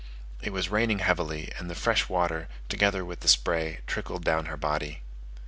It was raining heavily, and the fresh water, together with the spray, trickled down her body.